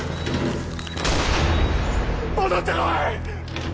戻ってこい！